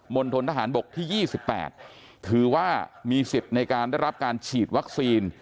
มนตรฐานบกที่ยี่สิบแปดคือว่ามีสิทธิ์ในการได้รับการฉีดวัคซีน